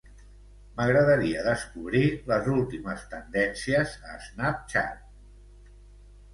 M'agradaria descobrir les últimes tendències a Snapchat.